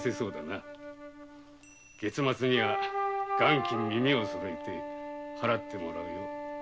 月末には元金耳を揃えて払ってもらうよ。